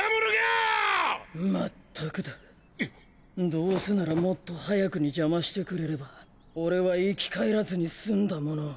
どうせならもっと早くに邪魔してくれれば俺は生き返らずに済んだものを。